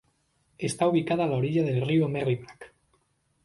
Está ubicada a la orilla del río Merrimack.